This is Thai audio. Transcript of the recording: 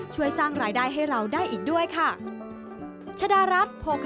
ช่วยสร้างรายได้ให้เราได้อีกด้วยค่ะ